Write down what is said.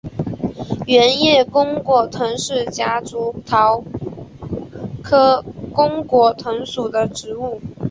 圆叶弓果藤是夹竹桃科弓果藤属的植物。